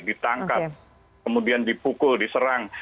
ditangkap kemudian dipukul diserang